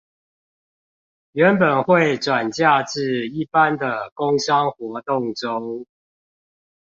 原本會轉嫁至一般的工商活動中